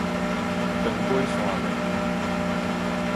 長尾山娘